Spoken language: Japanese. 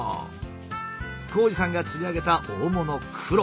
紘二さんが釣り上げた大物クロ。